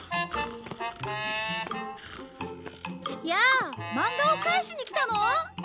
やあマンガを返しに来たの？